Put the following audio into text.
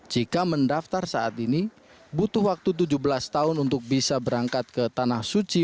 jika mendaftar saat ini butuh waktu tujuh belas tahun untuk bisa berangkat ke tanah suci